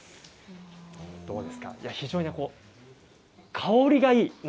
非常に香りがいいですね。